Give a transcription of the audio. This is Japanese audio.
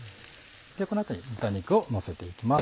この後に豚肉をのせていきます